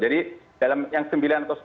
jadi dalam yang sembilan atau sepuluh